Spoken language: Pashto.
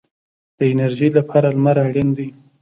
د انرژۍ لپاره لمر اړین دی